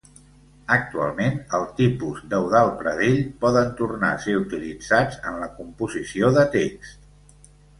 Actualment els tipus d'Eudald Pradell poden tornar a ser utilitzats en la composició de text.